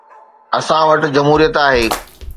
اسان وٽ جمهوريت آهي.